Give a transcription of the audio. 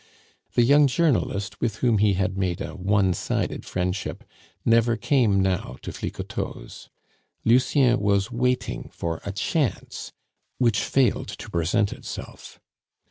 The young journalist, with whom he had made a one sided friendship, never came now to Flicoteaux's. Lucien was waiting for a chance which failed to present itself.